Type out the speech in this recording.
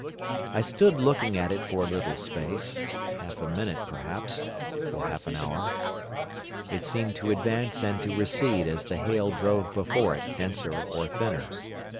I stood looking at it for a little space—half a minute, perhaps, or half an hour. It seemed to advance and to recede as the hail drove before it denser or thinner.